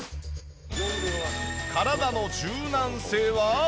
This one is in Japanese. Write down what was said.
体の柔軟性は？